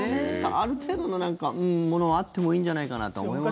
ある程度のものはあってもいいんじゃないかなとは思いますけどね。